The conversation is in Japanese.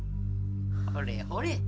ほれほれ。